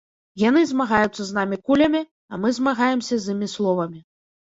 Яны змагаюцца з намі кулямі, а мы змагаемся з імі словамі.